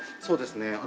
そうですね。